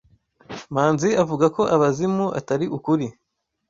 Manzi avuga ko abazimu atari ukuri.